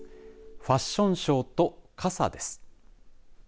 ファッションショーと傘です。